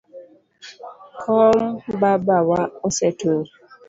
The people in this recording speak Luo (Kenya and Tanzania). Kom baba wa osetur.